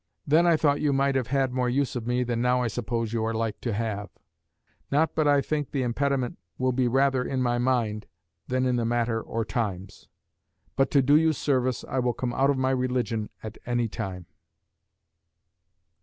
Then I thought you might have had more use of me than now I suppose you are like to have. Not but I think the impediment will be rather in my mind than in the matter or times. But to do you service I will come out of my religion at any time.